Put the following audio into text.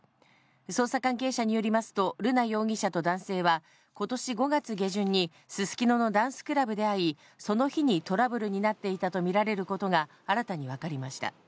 捜査関係者によりますと、瑠奈容疑者と男性は、ことし５月下旬にすすきののダンスクラブで会い、その日にトラブルになっていたと見られることが、新たに分かりました。